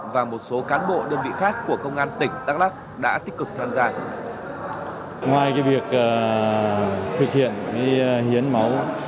và một số cán bộ đơn vị khác của công an tỉnh đắk lắc đã tích cực tham gia